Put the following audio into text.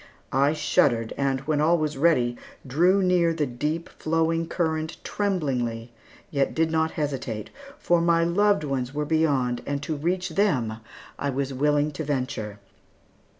I shuddered, and when all was ready, drew near the deep flowing current tremblingly, yet did not hesitate; for my loved ones were beyond, and to reach them I was willing to venture.